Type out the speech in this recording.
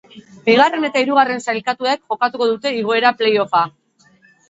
Bigarren eta hirugarren sailkatuek jokatuko dute igoera play-offa.